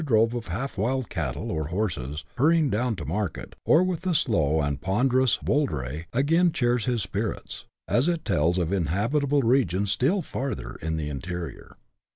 or drove of half wild cattle or horses, hurrying down to market, or with the slow and ponderous wool dray, again cheers his spirits, as it tells of habitable regions still farther in the interior.